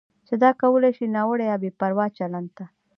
چې دا کولی شي ناوړه یا بې پروا چلند ته